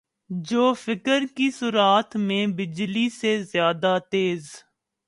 جو فکر کی سرعت میں بجلی سے زیادہ تیز